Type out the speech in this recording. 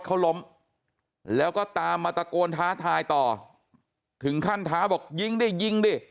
เขาล้มแล้วก็ตามมาตะโกนท้าทายต่อถึงขั้นท้าบอกยิงดิยิงดิ